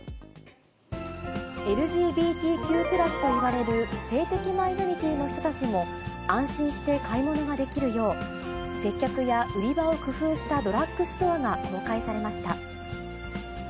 ＬＧＢＴＱ＋といわれる性的マイノリティーといわれる人たちも安心して買い物ができるよう、接客や売り場を工夫したドラッグストアが公開されました。